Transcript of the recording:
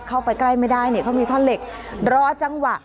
เข้าไปใกล้ไม่ได้เนี่ยเขามีท่อนเหล็กรอจังหวะ